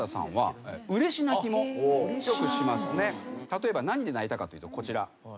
例えば何で泣いたかというとこちら。